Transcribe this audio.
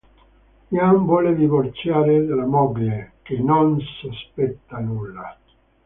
Ian vuole divorziare dalla moglie, che non sospetta nulla.